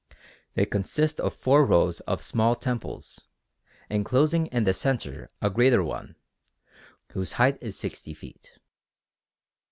They consist of four rows of small temples, enclosing in the centre a greater one, whose height is 60 feet.